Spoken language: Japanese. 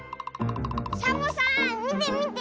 サボさんみてみて！